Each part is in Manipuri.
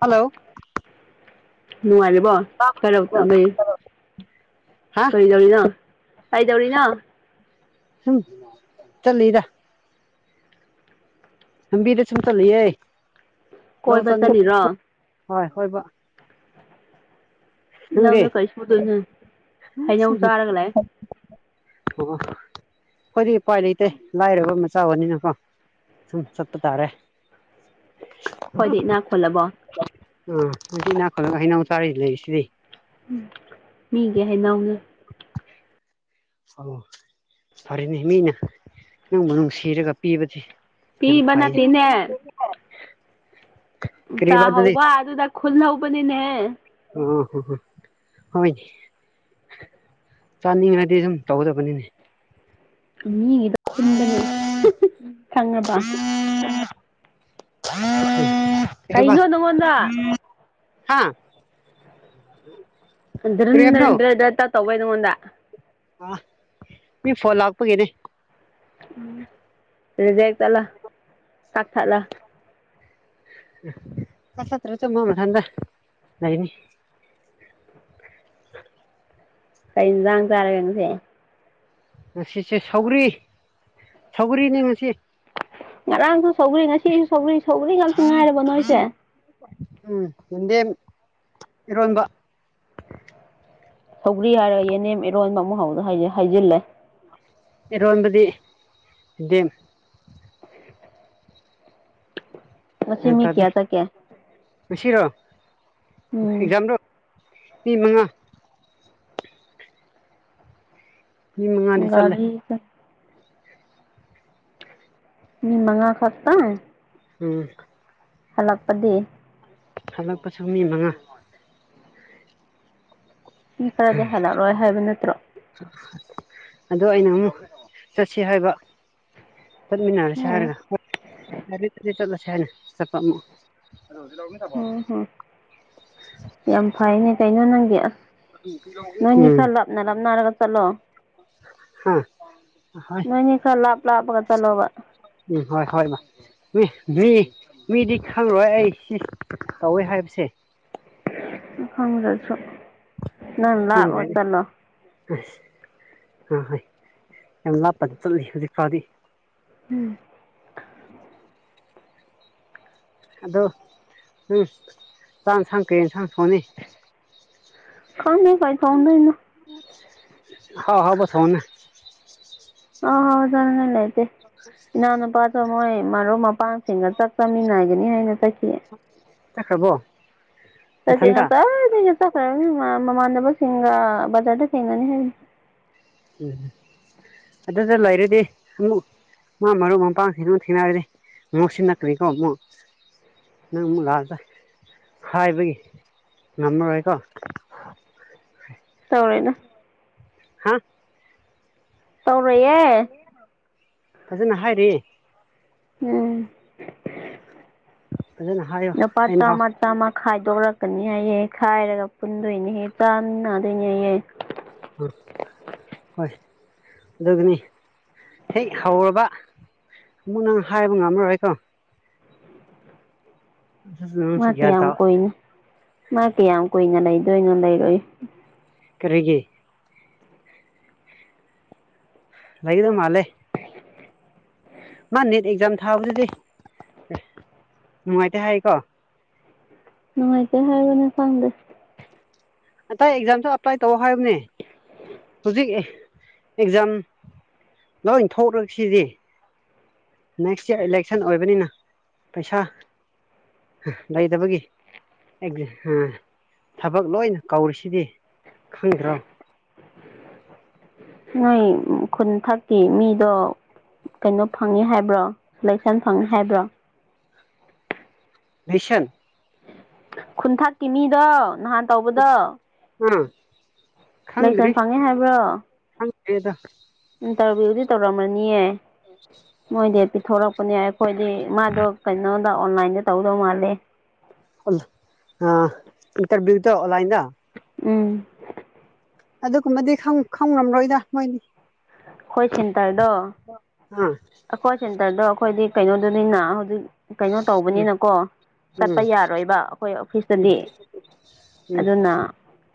ꯍꯜꯂꯣ ꯅꯨꯉꯥꯏꯔꯤꯕꯣ [unintelligible] ꯂꯩꯩ ꯍꯥ ꯀꯔꯤꯗꯧꯔꯤꯅꯣ ꯀꯩꯗꯧꯔꯤꯅꯣ ꯍꯝ ꯆꯠꯂꯤꯗꯥ ꯂꯝꯕꯤꯗꯥ ꯁꯨꯝ ꯆꯠꯂꯤꯌꯦ ꯂꯧ ꯀꯣꯏꯕ ꯆꯅꯤꯡ ꯆꯠꯂꯤꯔꯣ ꯍꯣꯏ ꯍꯣꯏꯕ ꯅꯪꯗꯤ ꯂꯧꯗꯥ ꯀꯔꯤ ꯁꯨꯗꯣꯏꯅꯣ ꯍꯩꯅꯧ ꯁꯨꯝ ꯆꯥꯔꯒ ꯂꯩ [unintelligible] ꯈꯣꯏꯗꯤ ꯎꯄꯥꯏ ꯂꯩꯇꯦ ꯂꯥꯏꯔꯕ ꯃꯆꯥ ꯑꯣꯏꯅꯤꯅꯀꯣ ꯁꯨꯝ ꯆꯠꯄ ꯇꯥꯔꯦ [inaudible] ꯏꯅꯥꯛ ꯈꯨꯜꯂꯕꯣ ꯎꯥ ꯅꯣꯏꯁꯨ ꯏꯅꯥ ꯈꯨꯜꯂꯒꯥ ꯍꯩꯅꯧ ꯆꯥꯔꯤ ꯂꯩꯔꯤꯁꯤꯗꯤ ꯎꯝ ꯃꯤꯒꯤ ꯍꯩꯅꯧꯅꯦ ꯑꯥꯎ ꯐꯔꯦꯅꯦ ꯃꯤꯅ ꯅꯪꯕꯨ ꯅꯨꯡꯁꯤꯔꯒꯥ ꯄꯤꯕꯗꯤ ꯌꯥꯝ ꯄꯤꯕ ꯐꯩꯅꯦ ꯅꯠꯇꯅꯦ ꯀꯔꯤꯕ ꯑꯗꯨꯗꯤ ꯇꯥꯍꯧꯕ ꯑꯗꯨꯗ ꯈꯨꯜ ꯍꯧꯕꯅꯤꯅꯦ ꯑꯣ ꯍꯣ ꯍꯣ ꯍꯣꯏꯅꯦ ꯆꯅꯤꯡꯔꯛ ꯗꯤ ꯗꯨꯝ ꯇꯧꯒꯗꯕꯅꯤꯅꯦ ꯃꯤꯒꯤꯗꯥ ꯈꯨꯟꯕꯅꯦ ꯈꯪꯉꯕ ꯀꯩꯍꯥꯏꯕ ꯀꯩꯅꯣ ꯅꯪꯉꯣꯟꯗ [inaudible] ꯍꯥ ꯗ꯭ꯔꯟ ꯀꯔꯤ ꯍꯥꯏꯕꯅꯣ ꯗꯠ [unintelligible] ꯗꯠꯇꯥ ꯇꯧꯋꯦ ꯅꯪꯉꯣꯟꯗ ꯑꯣ ꯃꯤ ꯐꯣꯟ ꯂꯥꯛꯄꯒꯤꯅꯤ ꯎꯝ ꯔꯤꯖꯦꯛ ꯆꯠꯂꯣ ꯀꯛꯊꯠꯂꯣ ꯀꯛꯊꯠꯇ꯭ꯔꯥꯁꯨ ꯃꯥ ꯃꯊꯟꯗ ꯂꯩꯅꯤ ꯀꯩ ꯏꯟꯖꯥꯡ ꯆꯥꯔꯒꯦ ꯉꯁꯤ ꯉꯁꯤꯁꯦ ꯁꯧꯒ꯭ꯔꯤ ꯁꯧꯒ꯭ꯔꯤꯅꯤ ꯉꯁꯤ ꯉꯔꯥꯡꯁꯨ ꯁꯧꯒ꯭ꯔꯤ ꯉꯁꯤꯁꯨ ꯁꯧꯒ꯭ꯔꯤ ꯁꯧꯒ꯭ꯔꯤ ꯉꯥꯛꯇꯥ ꯉꯥꯏꯔꯕꯣ ꯅꯣꯏꯁꯦ ꯎꯝ ꯌꯦꯟꯗꯦꯝ ꯏꯔꯣꯟꯕ ꯁꯧꯒ꯭ꯔꯤ ꯍꯥꯏꯔꯒ ꯌꯦꯟꯗꯦꯝ ꯏꯔꯣꯟꯕ ꯑꯃꯨꯛ ꯍꯧꯔ ꯍꯥꯏ ꯍꯥꯏꯖꯤꯜꯂꯦ ꯏꯔꯣꯟꯕꯗꯤ ꯗꯦꯝ ꯉꯁꯤ ꯒ꯭ꯌꯥꯟ ꯃꯤ ꯇꯥꯗꯦ ꯀꯌꯥ ꯆꯠꯀꯦ ꯉꯁꯤꯔꯣ ꯎꯝ ꯑꯦꯛꯖꯝꯔꯣ ꯃꯤ ꯃꯉꯥ ꯃꯤ ꯃꯉꯥꯗꯤ ꯆꯠꯂꯦ ꯒꯥꯔꯤꯁꯦ ꯃꯤ ꯃꯉꯥ ꯈꯛꯇꯪ ꯎꯝ ꯍꯜꯂꯛꯄꯗꯤ ꯍꯜꯂꯛꯄꯁꯨ ꯃꯤ ꯃꯉꯥ ꯃꯤ ꯈꯔꯗꯤ ꯍꯜꯂꯛꯂꯣꯏ ꯍꯥꯏꯕ ꯅꯠꯇ꯭ꯔꯣ ꯑꯗꯣ ꯑꯩꯅ ꯑꯃꯨꯛ ꯆꯠꯁꯤ ꯍꯥꯏꯕ ꯆꯠꯃꯤꯟꯅꯔꯁꯦ ꯑꯣ ꯍꯥꯏꯔꯒ [unintelligible] ꯆꯠꯂꯁꯦ ꯍꯥꯏꯅ ꯆꯠꯄ ꯑꯃꯨꯛ [unintelligible] ꯍꯣ ꯍꯣ ꯌꯥꯝ ꯐꯩꯅꯦ ꯀꯩꯅꯣ ꯅꯪꯗꯤ ꯑꯁ ꯅꯣꯏꯅꯤ ꯎꯝ ꯈꯔ ꯂꯥꯞꯅ ꯂꯥꯞꯅꯔꯒ ꯆꯠꯂꯣ ꯍꯥ ꯍꯣꯏ ꯅꯣꯏꯅꯤ ꯈꯔ ꯂꯥꯞ ꯂꯥꯞꯄꯒꯥ ꯆꯠꯂꯣꯕ ꯎꯝ ꯍꯣꯏ ꯍꯣꯏ ꯃꯥ ꯃꯤ ꯃꯤ ꯃꯤꯗꯤ ꯈꯪꯪꯔꯣꯏ ꯑꯩ ꯁꯤ ꯇꯧꯋꯦ ꯍꯥꯏꯕꯁꯦ ꯈꯪꯗꯁꯨ ꯈꯪꯗ꯭ꯔꯦ [unintelligible] ꯑꯁ ꯑꯥ ꯍꯣꯏ ꯌꯥꯝ ꯂꯥꯞꯄꯗ ꯆꯠꯂꯤ ꯍꯧꯖꯤꯛ ꯐꯥꯎꯗꯤ ꯎꯝ ꯑꯗꯨ [unintelligible] ꯆꯥꯛ ꯏꯟꯁꯥꯡ ꯀꯩ ꯏꯟꯁꯥꯡ ꯊꯣꯡꯅꯤ ꯈꯪꯗꯦ ꯀꯩ ꯊꯣꯡꯗꯣꯏꯅꯣ ꯑꯍꯥꯎ ꯑꯍꯥꯎꯕ ꯊꯣꯡꯉꯨꯅꯦ [unintelligible] ꯆꯥꯅꯤꯡꯉꯥꯏ ꯂꯩꯇꯦ ꯏꯅꯥꯎ ꯅꯨꯄꯥꯗꯣ ꯃꯣꯏ ꯃꯔꯨꯞ ꯃꯄꯥꯡꯁꯤꯡꯒ ꯆꯥꯛ ꯆꯥꯃꯤꯟꯅꯒꯅꯤ ꯍꯥꯏꯅ ꯆꯠꯈꯤꯌꯦ ꯆꯠꯈ꯭ꯔꯕꯣ [unintelligible] ꯅꯊꯟꯇ ꯉꯁꯥꯏꯗꯩ ꯆꯠꯈ꯭ꯔꯕꯅꯤ [unintelligible] ꯃꯃꯥꯟꯅꯕꯁꯤꯡꯒ ꯕꯖꯥꯔꯗ ꯊꯦꯡꯅꯅꯤ ꯍꯥꯏ [unintelligible] ꯎꯝ ꯑꯗꯨꯗ ꯂꯩꯔꯗꯤ ꯑꯃꯨꯛ ꯃꯥ ꯃꯔꯨꯞ ꯃꯄꯥꯡꯁꯤꯡꯗꯣ ꯊꯦꯡꯅꯔꯗꯤ ꯉꯥꯎꯁꯤꯟꯅꯀꯅꯤꯀꯣ ꯑꯃꯨꯛ ꯅꯪ ꯑꯃꯨꯛ ꯂꯥꯛꯑꯒ ꯍꯥꯏꯕꯒꯤ ꯉꯝꯃꯔꯣꯏꯀꯣ ꯇꯧꯔꯣꯏꯗ ꯍꯥ ꯇꯧꯔꯣꯏꯌꯦ ꯐꯖꯅ ꯍꯥꯏꯔꯦ ꯎꯝ ꯐꯖꯅ ꯍꯥꯏꯌꯣ ꯅꯨꯄꯥ ꯍꯥꯏꯅ ꯆꯥꯝꯃ ꯆꯥꯝꯃ ꯈꯥꯏꯗꯣꯔꯛꯀꯅꯤ ꯍꯥꯏꯌꯦ ꯈꯥꯏꯔꯒ ꯄꯨꯟꯗꯣꯏꯅꯦꯍꯦ ꯆꯥꯟꯅꯗꯣꯏꯅꯦꯌꯦ ꯑꯥ ꯍꯣꯏ ꯑꯗꯨꯒꯅꯤ ꯍꯦꯛ ꯍꯧꯔꯕ ꯑꯃꯨꯛ ꯅꯪ ꯍꯥꯏꯕ ꯉꯝꯃꯔꯣꯏꯀꯣ ꯑꯗꯨꯁꯨ ꯃꯥ ꯅꯪꯁꯨ ꯒ꯭ꯌꯥꯟ ꯀꯌꯥꯝ ꯇꯥꯎ ꯀꯨꯏꯅ ꯃꯥ ꯀꯌꯥꯝ ꯀꯨꯏꯅ ꯂꯩꯗꯣꯏꯅꯣ ꯂꯩꯔꯣꯏ ꯀꯔꯤꯒꯤ ꯂꯩꯒꯗꯕ ꯃꯥꯜꯂꯦ ꯃꯥ ꯅꯤꯠ ꯑꯦꯛꯖꯥꯝ ꯊꯥꯕꯗꯨꯗꯤ ꯑꯦ ꯅꯨꯡꯉꯥꯏꯇꯦ ꯍꯥꯏꯀꯣ ꯅꯨꯡꯉꯥꯏꯇꯦ ꯍꯥꯏꯕꯅꯦ ꯈꯪꯗꯦ ꯑꯇꯩ ꯑꯦꯛꯖꯥꯝꯁꯨ ꯑꯄ꯭ꯂꯥꯏ ꯇꯧ ꯍꯥꯏꯕꯅꯦ ꯍꯧꯖꯤꯛ ꯑꯦꯛꯖꯥꯝ ꯂꯣꯏ ꯊꯣꯛꯂꯁꯤꯗꯤ ꯅꯦꯛꯁ ꯏꯌꯥꯔ ꯏꯂꯦꯛꯁꯟ ꯑꯣꯏꯕꯅꯤꯅ ꯄꯩꯁꯥ ꯂꯩꯇꯕꯒꯤ ꯑꯦꯛ ꯍꯥ ꯊꯕꯛ ꯂꯣꯏꯅ ꯀꯧꯔꯤꯁꯤꯗꯤ ꯈꯪꯗ꯭ꯔꯣ ꯅꯣꯏ ꯈꯨꯟ ꯊꯛꯀꯤ ꯃꯤꯗꯣ ꯀꯩꯅꯣ ꯐꯪꯉꯦ ꯍꯥꯏꯕ꯭ꯔꯣ ꯂꯥꯏꯁꯦꯟꯁ ꯐꯪ [unintelligible] ꯍꯥꯏꯕ꯭ꯔꯣ ꯂꯤꯁꯟ ꯈꯨꯟꯊꯛꯀꯤ ꯃꯤꯗꯣ ꯅꯍꯥꯟ ꯇꯧꯕꯗꯣ ꯎꯝ ꯂꯥꯏꯁꯟꯁ ꯐꯪꯉꯤ ꯍꯥꯏꯕ꯭ꯔꯣ ꯈꯪꯗꯦꯗ ꯏꯟꯇꯔꯚ꯭ꯌꯨꯗꯤ ꯇꯧꯔꯝꯃꯅꯤꯌꯦ ꯃꯣꯏꯗꯤ ꯄꯤꯊꯣꯔꯛꯄꯅꯦ ꯑꯩꯈꯣꯏꯗꯤ ꯃꯥꯗꯣ ꯀꯩꯅꯣꯗ ꯑꯣꯟꯂꯥꯏꯟꯗ ꯇꯧꯗꯧ ꯃꯥꯜꯂꯦ [unintelligible] ꯑꯥ ꯏꯟꯇꯔꯕ꯭ꯌꯨꯗꯣ ꯑꯣꯟꯂꯥꯏꯟꯗ ꯎꯝ ꯑꯗꯨꯒꯨꯝꯕꯗꯤ ꯈꯪ ꯈꯪꯔꯝꯂꯣꯏꯗ ꯃꯣꯏꯗꯤ ꯑꯩꯈꯣꯏ ꯁꯦꯟꯇꯔꯗꯣ [unintelligible] ꯑꯈꯣꯏ ꯁꯦꯟꯇꯔꯗꯣ ꯑꯩꯈꯣꯏꯗꯤ ꯀꯩꯅꯣꯗꯨꯅꯤꯅ ꯍꯧꯖꯤꯛ ꯀꯩꯅꯣ ꯎꯝ ꯇꯧꯕꯅꯤꯅꯀꯣ꯫ ꯆꯠꯄ ꯎꯝ ꯌꯥꯔꯣꯏꯕ ꯑꯩꯈꯣꯏ ꯎꯝ ꯑꯣꯐꯤꯁꯇꯗꯤ ꯎꯝ ꯑꯗꯨꯅ꯫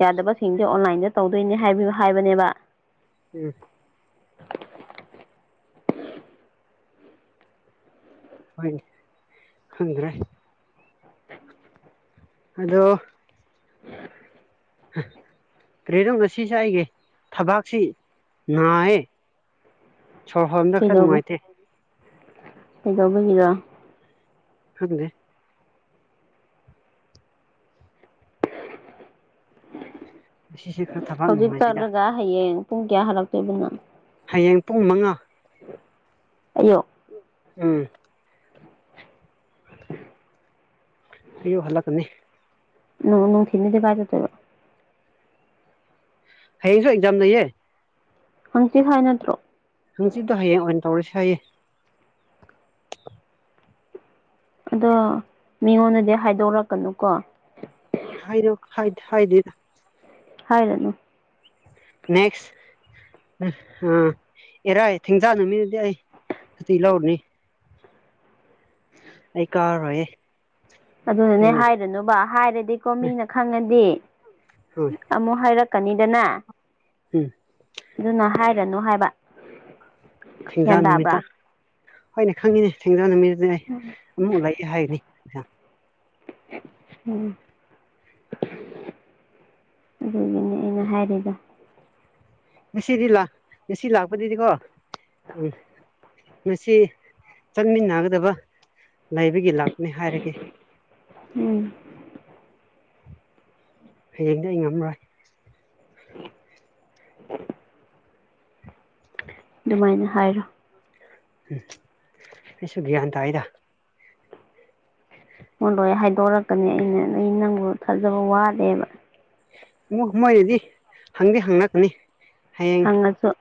ꯌꯥꯗꯕꯁꯤꯡꯁꯦ ꯑꯣꯟꯂꯥꯏꯟꯗ ꯇꯧꯗꯣꯏꯅꯦ ꯍꯥꯏꯕꯁꯨ ꯍꯥꯏꯕꯅꯦꯕ꯫ ꯎꯝ꯫ [unintelligible] ꯍꯣꯏ ꯈꯗ꯭ꯔꯦ꯫ ꯑꯗꯣ꯫ [unintelligible] ꯀꯔꯤꯅꯣ ꯉꯁꯤꯁꯦ ꯑꯩꯒꯤ ꯊꯕꯥꯛꯁꯤ ꯅꯥꯌꯦ꯫ [inaudible] ꯁꯣꯔ ꯍꯣꯟꯕ ꯈꯔ ꯅꯨꯡꯉꯥꯏꯇꯦ꯫ ꯀꯩꯗꯧꯕꯒꯤꯔ꯫ ꯈꯪꯗꯦ꯫ [unintelligible] ꯍꯧꯖꯤꯛ ꯅꯨꯡꯉꯥꯏꯇꯦꯗ ꯆꯠꯂꯒ ꯍꯌꯦꯡ ꯄꯨꯡ ꯀꯌꯥ ꯍꯜꯂꯛꯇꯣꯏꯕꯅꯣ꯫ ꯍꯌꯦꯡ ꯄꯨꯡ ꯃꯉꯥ꯫ ꯑꯌꯨꯛ꯫ ꯎꯝ꫰꫰ ꯑꯌꯨꯛ ꯍꯟꯂꯛꯀꯅꯤ꯫ ꯅꯨꯡꯊꯤꯟꯗꯗꯤ ꯀꯥꯏ ꯆꯠꯇꯣꯏꯕ꯫ ꯍꯌꯦꯡꯁꯨ ꯑꯦꯛꯖꯥꯝ ꯂꯩꯌꯦ꯫ ꯍꯪꯆꯤꯠ ꯍꯥꯏ ꯅꯠꯇ꯭ꯔꯣ꯫ ꯍꯪꯆꯤꯠꯇꯣ ꯍꯌꯦꯡ ꯑꯣꯏꯅ ꯇꯧꯔꯁꯦ ꯍꯥꯏꯌꯦ꯫ ꯑꯗꯣ ꯃꯤꯉꯣꯟꯗꯗꯤ ꯍꯥꯏꯗꯣꯔꯛꯀꯅꯨꯀꯣ꯫ ꯍꯥꯏꯔꯣ ꯍꯥꯏ ꯍꯥꯏꯗꯦꯗ꯫ ꯍꯥꯏꯔꯨꯅꯨ꯫ ꯅꯦꯛꯁ꯫ ꯑꯥ ꯏꯔꯥꯏ ꯊꯦꯡꯖꯥ ꯅꯨꯃꯤꯠꯗꯤ ꯑꯩ ꯁꯨꯇꯤ ꯂꯧꯔꯅꯤ ꯑꯩ ꯀꯥꯔꯣꯏꯌꯦ ꯑꯗꯨꯅꯅꯦ ꯍꯥꯏꯒꯥꯅꯨꯕ ꯍꯥꯏꯔꯗꯤ ꯀꯣ ꯃꯤꯅ ꯈꯪꯉꯗꯤ ꯍꯣꯏ ꯑꯃꯨꯛ ꯍꯥꯏꯔꯛꯀꯅꯤꯗꯅ ꯎꯝ ꯑꯗꯨꯅ ꯍꯥꯏꯔꯅꯨ ꯍꯥꯏꯕ ꯒ꯭ꯌꯥꯟ ꯊꯦꯡꯖꯥꯡ ꯅꯨꯃꯤꯠꯇ ꯇꯥꯕ꯭ꯔꯥ ꯍꯣꯏꯅꯦ ꯈꯪꯉꯤꯅꯦ ꯊꯦꯡꯖꯥꯡ ꯅꯨꯃꯤꯠꯇꯗꯤꯅꯦ ꯎ ꯂꯩ ꯍꯥꯏꯅꯤ ꯎꯝ [unintelligible] ꯑꯗꯨꯒꯤꯅꯦ ꯑꯩꯅ ꯍꯥꯏꯔꯤꯗꯣ ꯉꯁꯤꯗꯤ ꯂꯥꯛ ꯉꯁꯤ ꯂꯥꯛꯄꯗꯨꯗꯤꯀꯣ ꯎꯝ ꯉꯁꯤ ꯆꯠꯃꯤꯟꯅꯒꯗꯕ ꯂꯩꯕꯒꯤ ꯂꯥꯛꯄꯅꯤ ꯍꯥꯏꯔꯒꯦ ꯎꯝ ꯍꯌꯦꯡꯗꯤ ꯑꯩ ꯉꯝꯔꯣꯏ ꯑꯗꯨꯃꯥꯏꯅ ꯍꯥꯏꯔꯣ ꯎꯝ ꯑꯩꯁꯨ ꯒ꯭ꯌꯥꯟ ꯇꯥꯏꯗꯥ ꯃꯉꯣꯟ ꯂꯣꯏ ꯍꯥꯏꯗꯣꯔꯛꯀꯅꯤ ꯑꯩꯅ ꯅ ꯅꯪꯕꯨ ꯊꯥꯖꯕ ꯋꯥꯠꯂꯦꯕ ꯃꯣꯏꯗꯗꯤ ꯍꯪꯗꯤ ꯍꯪꯪꯅꯥꯗꯔ꯭ꯤ ꯍꯥꯏꯌꯦ ꯅꯠꯁꯨ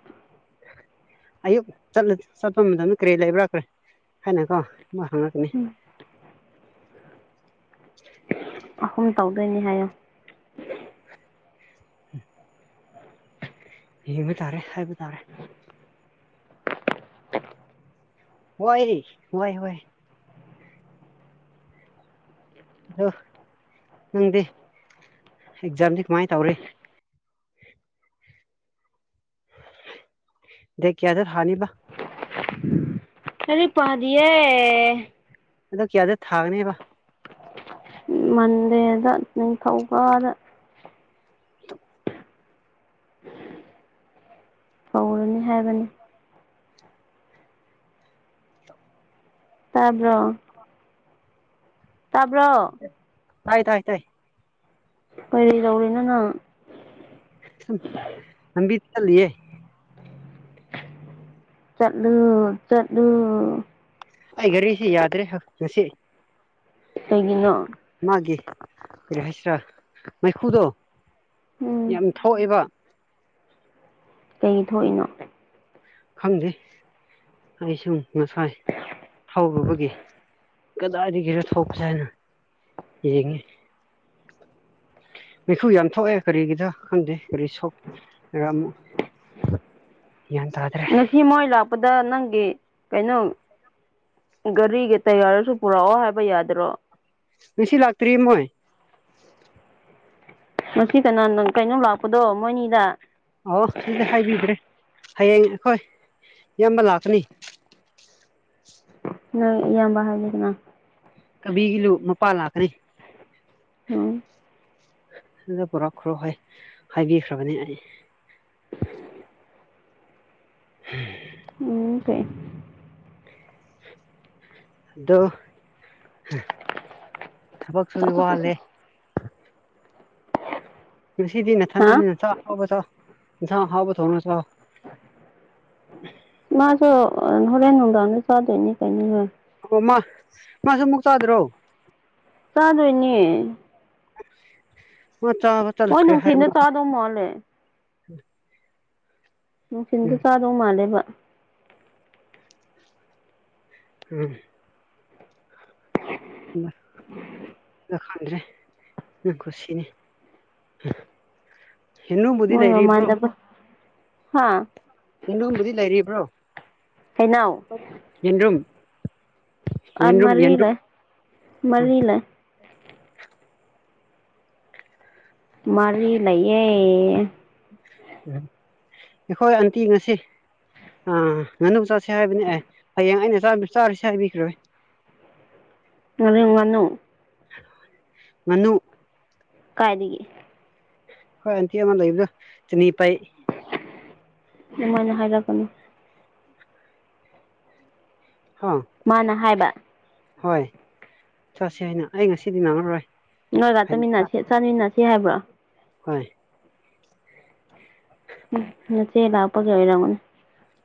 ꯑꯌꯨꯛ ꯆꯠꯂ ꯆꯠꯄ ꯃꯇꯝꯗ ꯀꯔꯤ ꯂꯩꯕ꯭ꯔꯈ꯭ꯔꯦ ꯍꯥꯏꯅ ꯀꯣ ꯃꯥ ꯍꯪꯉꯛꯀꯅꯤ ꯑꯍꯨꯝ ꯇꯧꯗꯣꯏꯅꯦ ꯍꯥꯏꯌꯣ ꯌꯦꯡꯕ ꯇꯥꯔꯦ ꯍꯥꯏꯕ ꯇꯥꯔꯦ ꯋꯥꯏꯔꯤ ꯋꯥꯏꯍꯧꯋꯦ ꯑꯗꯣ ꯅꯪꯗꯤ ꯑꯦꯛꯖꯥꯝꯗꯤ ꯀꯃꯥꯏ ꯇꯧꯔꯤ ꯗꯦꯠ ꯀꯌꯥꯗ ꯍꯥꯅꯦꯕ ꯂꯔꯤꯛ ꯄꯗꯤꯌꯦ ꯑꯗꯣ ꯀꯌꯥꯗ ꯊꯥꯒꯅꯦꯕ ꯃꯟꯗꯦꯗꯥ ꯅꯤꯡꯊꯧꯀꯥꯗ ꯍꯧꯔꯅꯤ ꯍꯥꯏꯕꯅꯤ ꯇꯥꯕ꯭ꯔꯣ ꯀꯥ ꯇꯥꯕ꯭ꯔꯣ ꯍꯥꯏ ꯇꯥꯏ ꯇꯥꯏ ꯀꯔꯤ ꯗꯧꯔꯤꯅꯣ ꯅꯪ ꯍꯨꯝ ꯂꯝꯕꯤ ꯆꯠꯂꯤꯌꯦ ꯆꯠꯂꯨ ꯆꯠꯂꯨ ꯑꯩ ꯒꯥꯔꯤꯁꯤ ꯌꯥꯗ꯭ꯔꯦ ꯍꯥ ꯉꯁꯤ ꯀꯩꯒꯤꯅꯣ ꯃꯥꯒꯤ ꯀꯔꯤ ꯍꯥꯏꯁꯤꯔꯥ ꯃꯩꯈꯨꯗꯣ ꯎꯝ ꯌꯥꯝ ꯊꯣꯛꯑꯦꯕ ꯀꯩ ꯊꯣꯛꯏꯅꯣ ꯈꯪꯗꯦ ꯑꯩꯁꯨꯝ ꯉꯁꯥꯏ ꯊꯧꯔꯨꯕꯒꯤ ꯀꯗꯥꯏꯗꯒꯤꯔꯣ ꯊꯣꯛꯄꯁꯦ ꯍꯥꯏꯅ ꯌꯦꯡꯉꯤ ꯃꯤꯈꯨ ꯌꯥꯝ ꯊꯣꯛꯑꯦ ꯀꯔꯤꯒꯤꯗ ꯈꯪꯗꯦ ꯀꯔꯤ ꯁꯣꯛꯔ ꯑꯃꯨꯛ [inaudible] ꯌꯥꯟ ꯇꯗ꯭ꯔꯦ ꯍꯤ ꯃꯣꯏ ꯂꯥꯛꯄꯗ ꯅꯪꯒꯤ ꯀꯩꯅꯣ ꯒꯥꯔꯤꯒꯤ ꯇꯌꯥꯔꯁꯨ ꯄꯨꯔꯛꯑꯣ ꯍꯥꯏꯕ ꯌꯥꯗ꯭ꯔꯣ ꯉꯁꯤ ꯂꯥꯛꯇ꯭ꯔꯤ ꯃꯣꯏ ꯉꯁꯤ ꯀꯅꯥ ꯅꯪ ꯀꯩꯅꯣꯝ ꯂꯥꯛꯄꯗꯣ ꯃꯣꯏꯅꯤꯗ ꯑꯣ ꯑꯗꯨꯗꯤ ꯍꯥꯏꯕꯤꯗ꯭ꯔꯦ ꯍꯌꯦꯡ ꯑꯩꯈꯣꯏ ꯏꯌꯥꯝꯕ ꯂꯥꯛꯀꯅꯤ ꯅꯪ ꯏꯌꯥꯝꯕ ꯍꯥꯏꯅ ꯀꯥꯅ ꯀꯕꯤꯒꯤꯂꯨ ꯃꯄꯥ ꯂꯥꯛꯀꯅꯤ ꯑꯣ ꯑꯗꯨꯗ ꯄꯨꯔꯛꯈ꯭ꯔꯣ ꯍꯥꯏ ꯍꯥꯏꯕꯤꯈ꯭ꯔꯕꯅꯦ ꯑꯩ [inaudible] ꯎꯝ ꯀꯩ ꯑꯗꯣ ꯊꯕꯛꯁꯨꯨꯗꯤ ꯋꯥꯠꯂꯦ ꯉꯁꯤꯗꯤ ꯍꯥ ꯅꯊꯟꯅꯤꯅ ꯆꯥꯛ ꯑꯍꯥꯎꯕ ꯆꯥꯎ ꯏꯟꯁꯥꯡ ꯑꯍꯥꯎꯕ ꯊꯣꯡꯔ ꯆꯥꯎ ꯃꯥꯁꯨ ꯑꯥ ꯍꯣꯔꯦꯟ ꯅꯨꯡꯗꯥꯡꯗ ꯆꯥꯗꯣꯏꯅꯤ ꯀꯩꯅꯣꯅꯦ ꯑꯣ ꯃꯥ ꯃꯥꯁꯨ ꯑꯃꯨꯛ ꯆꯥꯗꯔꯣ ꯆꯥꯗꯣꯏꯅꯦ ꯑꯣ ꯆꯥꯒꯠ__ ꯃꯣꯏ ꯅꯨꯡꯊꯤꯟꯗ ꯆꯥꯗꯧ ꯃꯥꯜꯂꯦ ꯅꯨꯡꯊꯤꯟꯗ ꯎꯝ ꯆꯥꯗꯧ ꯃꯥꯜꯂꯦꯕ ꯎꯝ [inaudible] [inaudible] ꯗꯣ ꯈꯥꯡꯗ꯭ꯔꯦ ꯅꯪ ꯈꯨꯁꯤꯅꯤ ꯌꯦꯟꯔꯨꯝꯕꯨꯗꯤ ꯃꯣꯏ ꯂꯩꯔꯤꯕ꯭ꯔꯣ ꯃꯃꯥꯅꯕ ꯍꯥꯥ ꯌꯦꯔꯨꯝꯕꯨꯗꯤ ꯂꯩꯔꯤꯕ꯭ꯔꯣ ꯍꯩꯅꯥꯎ ꯌꯦꯟꯔꯨꯝ ꯑ ꯌꯦꯟꯔꯨꯝ ꯃꯔꯤ ꯌꯦꯟꯔꯨꯝ ꯂꯩ ꯎꯝ ꯃꯔꯤ ꯂꯩ ꯃꯔꯤ ꯂꯩꯌꯦ ꯑꯩꯈꯣꯏ ꯑꯟꯇꯤ ꯉꯁꯤ ꯑꯥ ꯉꯥꯅꯨ ꯆꯥꯁꯦ ꯍꯥꯏꯕꯅꯦ ꯑꯦ ꯍꯌꯦꯡ ꯑꯩꯅ ꯆꯥ- ꯆꯥꯔꯤꯁꯦ ꯍꯥꯏꯕꯤꯈ꯭ꯔꯔꯣꯢ ꯉꯔꯦꯝ ꯉꯥꯅꯨ ꯉꯅꯨ ꯀꯥꯏꯗꯒꯤ ꯈꯣꯏ ꯑꯟꯇꯤ ꯑꯃ ꯂꯩꯕꯗꯣ ꯆꯅꯤꯄꯩ ꯗꯨꯃꯥꯏꯅ ꯍꯥꯏꯔꯛꯀꯅꯣ ꯍꯥ ꯃꯥꯅ ꯍꯥꯏꯕ ꯍꯣꯏ ꯆꯠꯁꯦ ꯍꯥꯏꯅ ꯑꯩ ꯉꯁꯤꯗꯤ ꯅꯪꯉꯔꯣꯏ ꯅꯣꯏꯒ ꯍꯩ ꯆꯥ ꯆꯠꯃꯤꯟꯅꯁꯤ ꯆꯥꯃꯤꯟꯅꯁꯤ ꯍꯥꯏꯕ꯭ꯔꯣ ꯍꯣꯏ ꯅꯆꯦ ꯂꯥꯞ ꯄꯒꯤ ꯑꯣꯢꯔꯝꯒꯅꯤ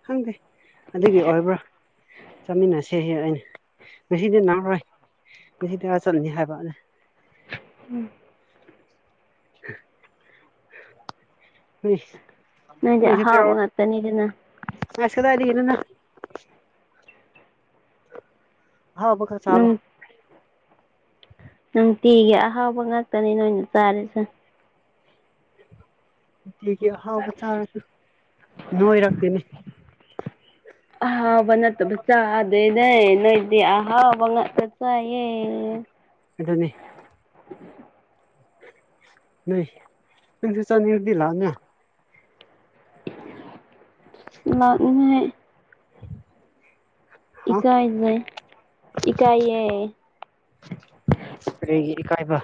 ꯈꯪꯗꯦ ꯑꯗꯨꯒꯤ ꯑꯣꯏꯕ꯭ꯔꯥ ꯆꯠꯃꯤꯟꯅꯁꯦꯍꯦ ꯑꯩꯅ ꯉꯁꯤꯗꯤ ꯅꯪꯔꯣꯏ ꯉꯁꯤꯗꯤ ꯑꯥ ꯆꯠꯂꯅꯤ ꯍꯥꯏꯕ ꯑꯗꯨ [unintelligible] ꯅꯣꯏꯗꯤ ꯑꯍꯥꯎꯕ ꯉꯥꯛꯇꯅꯤꯗꯅ ꯑꯁ ꯀꯗꯥꯏꯗꯒꯤꯅꯣꯗ ꯑꯍꯥꯎꯕ ꯈꯔ ꯆꯥꯕ ꯅꯨꯡ ꯅꯨꯡꯇꯤꯒꯤ ꯑꯍꯥꯎꯕ ꯉꯥꯛꯇꯅꯤ ꯅꯣꯏꯅ ꯆꯥꯔꯤꯁꯦ [inaudible] ꯅꯨꯡꯇꯤꯒꯤ ꯑꯍꯥꯎꯕ ꯆꯥꯔꯁꯨ ꯅꯣꯏꯔꯛꯇꯦꯅꯦ ꯑꯍꯥꯎꯕ ꯅꯠꯇꯕ‌ ꯆꯥꯗꯦꯅꯦ ꯅꯣꯏ ꯗꯤ ꯑꯍꯥꯎꯕꯉꯥꯛꯇ ꯆꯥꯌꯦ ꯑꯗꯨꯅꯤ [unintelligible] [unintelligible] ꯍꯥ ꯏꯀꯥꯏꯖꯩ ꯏꯀꯥꯏꯌꯦ ꯀꯔꯤꯒꯤ ꯏꯀꯥꯏꯕ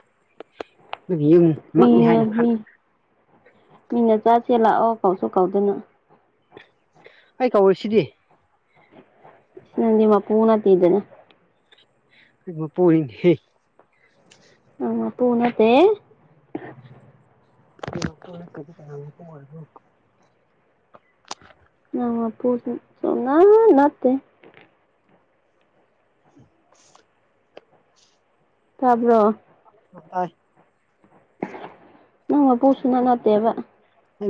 ꯑꯗꯨꯒꯤ ꯃꯤ ꯌꯨꯝꯃꯛꯅꯤ ꯍꯥꯏꯅ ꯃꯤ ꯈꯜꯂ ꯃꯤꯅ ꯆꯥꯁꯦ ꯂꯥꯛꯑꯣ ꯀꯥꯎꯁꯨ ꯀꯥꯎꯗꯅ ꯑꯩ ꯀꯧꯔꯤꯁꯤꯗꯤ ꯅꯪꯗꯤ ꯃꯄꯨ ꯅꯠꯇꯦꯗꯅ [unintelligible] ꯑ ꯃꯄꯨ ꯅꯠꯇꯦ [unintelligible] ꯅꯪ ꯃꯄꯨꯗꯤ ꯁꯨꯡꯅꯠ ꯅꯠꯇꯦ [unintelligible] ꯇꯥꯕ꯭ꯔꯣ [unintelligible] ꯅꯪ ꯃꯄꯨ ꯁꯨꯡꯅꯠ ꯅꯠꯇꯦꯕ ꯑꯩ